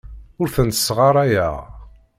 Ur tent-ssɣarayeɣ.